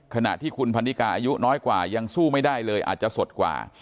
ขณะที่คุณพันนิกาอายุน้อยกว่ายังสู้ไม่ได้เลยอาจจะสดกว่า